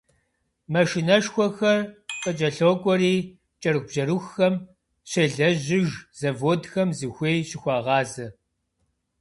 Машинэшхуэхэр къыкӏэлъокӏуэри, кӏэрыхубжьэрыхухэм щелэжьыж заводхэм зыхуей щыхуагъазэ.